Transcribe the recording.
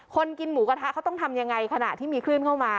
คนกินหมูกระทะเขาต้องทำยังไงขณะที่มีคลื่นเข้ามา